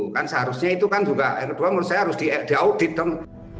kan seharusnya itu kan juga yang kedua menurut saya harus diaudit dong